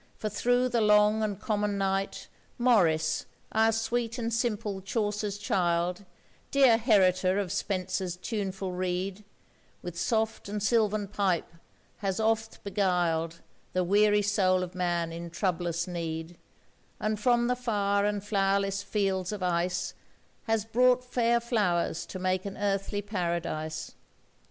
for through the long and common night, Morris, our sweet and simple Chaucer's child, Dear heritor of Spenser's tuneful reed, With soft and sylvan pipe has oft beguiled The weary soul of man in troublous need, And from the far and flowerless fields of ice Has brought fair flowers to make an earthly paradise.